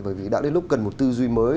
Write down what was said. bởi vì đã đến lúc cần một tư duy mới